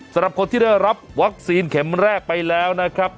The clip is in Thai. สำหรับคนที่ได้รับวัคซีนเข็มแรกไปแล้วนะครับ